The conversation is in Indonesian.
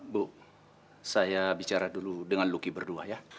bu saya bicara dulu dengan luki berdua ya